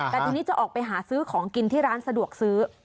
แต่ทีนี้จะออกไปหาซื้อของกินที่ร้านสะดวกซื้อ